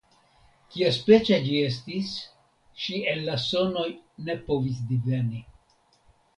Kiaspeca ĝi estis, ŝi el la sonoj ne povis diveni.